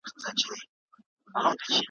د دوستانو له بېلتون څخه کړېږې,